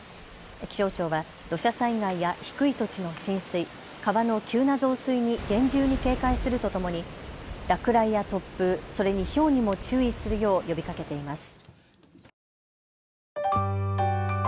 気象庁は土砂災害や低い土地の浸水、川の急な増水に厳重に警戒するとともに落雷や突風、それにひょうにも注意するよう呼びかけています。